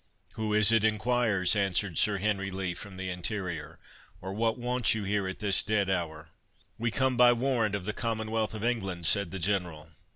"Who is it enquires?" answered Sir Henry Lee from the interior; "or what want you here at this dead hour?" "We come by warrant of the Commonwealth of England," said the General.